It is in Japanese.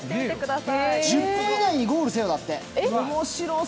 １０分以内にゴールせよだって。